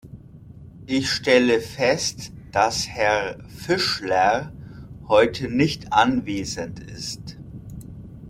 Ich stelle fest, dass Herr Fischler heute nicht anwesend ist.